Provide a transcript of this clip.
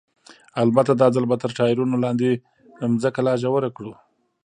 البته دا ځل به تر ټایرونو لاندې ځمکه لا ژوره کړو.